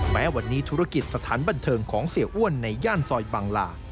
แม้วันนี้ธุรกิจสถานบันเทิงของเสียอ้วนในย่านซอยบังลา